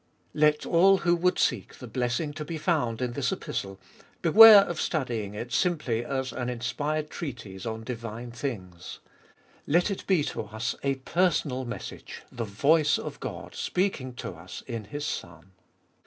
Let all who would seek the blessing to be found in this Epistle, beware of studying it simply as an inspired treatise on divine things. Let it be to us a personal message, the voice of God speaking to us in His Son.